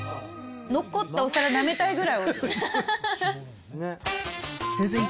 残ったお皿、なめたいくらいおいしい。